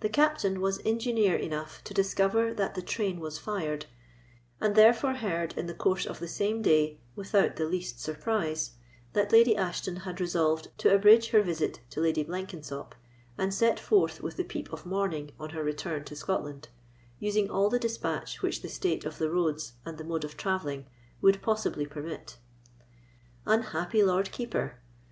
The Captain was engineer enough to discover that the train was fired; and therefore heard, in the course of the same day, without the least surprise, that Lady Ashton had resolved to abridge her visit to Lady Blenkensop, and set forth with the peep of morning on her return to Scotland, using all the despatch which the state of the roads and the mode of travelling would possibly permit. Unhappy Lord Keeper!